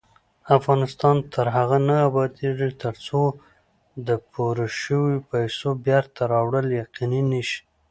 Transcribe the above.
افغانستان تر هغو نه ابادیږي، ترڅو د پورې شوو پیسو بېرته راوړل یقیني نشي.